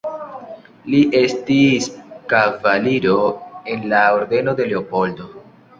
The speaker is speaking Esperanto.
Li estis kavaliro en la Ordeno de Leopoldo.